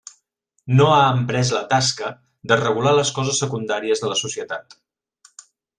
No ha emprès la tasca de regular les coses secundàries de la societat.